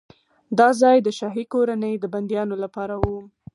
دا ځای د شاهي کورنۍ د بندیانو لپاره و.